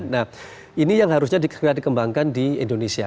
nah ini yang harusnya dikembangkan di indonesia